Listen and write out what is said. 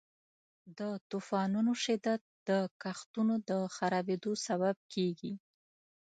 د طوفانونو شدت د کښتونو د خرابیدو سبب کیږي.